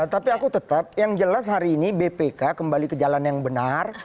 tapi aku tetap yang jelas hari ini bpk kembali ke jalan yang benar